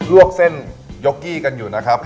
วกเส้นยกกี้กันอยู่นะครับ